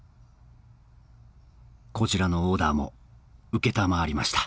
こちらのオーダーも承りました